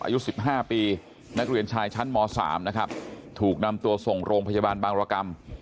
อายุ๑๕ปีนักเรียนชายชั้นม๓นะครับถูกนำตัวส่งโรงพยาบาลบางรกรรม